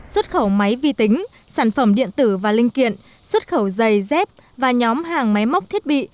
xuất khẩu máy vi tính sản phẩm điện tử và linh kiện xuất khẩu giày dép và nhóm hàng máy móc thiết bị